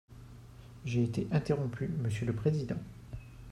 J’ai été interrompu, monsieur le président.